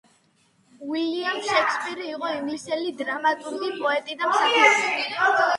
უილიამ შექსპირი იყო ინგლისელი დრამატურგი პოეტი და მსახიობი.